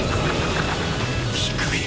低い！